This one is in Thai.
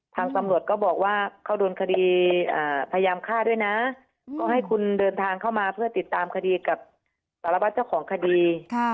ทางตำรวจก็บอกว่าเขาโดนคดีพยายามฆ่าด้วยนะก็ให้คุณเดินทางเข้ามาเพื่อติดตามคดีกับสารวัตรเจ้าของคดี